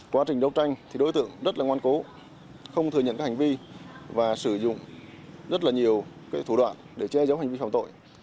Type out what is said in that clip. quá trình đấu tranh thì đối tượng rất là ngoan cố không thừa nhận các hành vi và sử dụng rất là nhiều thủ đoạn để che giấu hành vi phạm tội